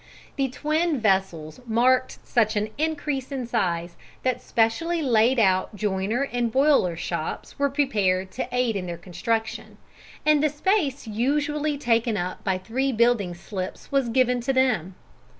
The twin vessels marked such an increase in size that specially laid out joiner and boiler shops were prepared to aid in their construction, and the space usually taken up by three building slips was given up to them.